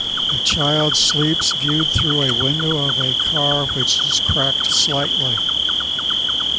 A child sleeps viewed through a window of a car which is cracked slightly.